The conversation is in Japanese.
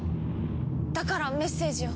だからメッセージを。